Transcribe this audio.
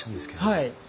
はい。